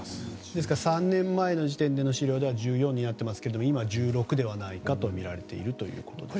ですから３年前の時点での資料では１４になっていますけれども今は１６ではないかとみられているということですね。